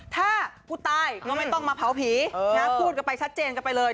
ถ้าผู้ตายก็ไม่ต้องมาเผาผีพูดกันไปชัดเจนกันไปเลย